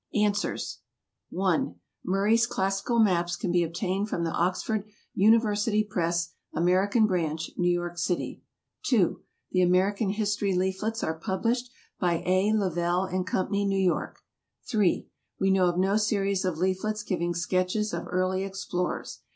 ANS. (1) Murray's Classical Maps can be obtained from the Oxford University Press, American Branch, New York City; (2) The American History Leaflets are published by A. Lovell & Co., New York; (3) We know of no series of leaflets giving sketches of early explorers.